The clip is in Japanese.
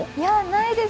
ないです